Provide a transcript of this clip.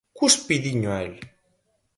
Cuspidiño a el.